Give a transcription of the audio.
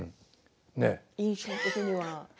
印象的には？